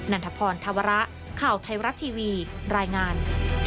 ันทพรธวระข่าวไทยรัฐทีวีรายงาน